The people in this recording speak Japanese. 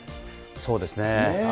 そうですね。